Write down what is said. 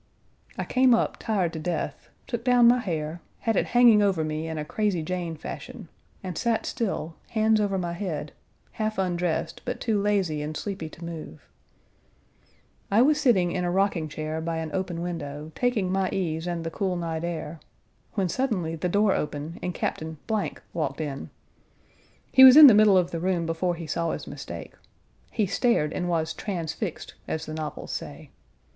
I came up tired to death; took down my hair; had it hanging over me in a Crazy Jane fashion; and sat still, hands over my head (half undressed, but too lazy and sleepy to move). I was sitting in a rocking chair by an open window taking my ease and the cool night air, when suddenly the door opened and Captain walked in. He was in the middle of the room before he saw his mistake; he stared and was transfixed, as the novels say.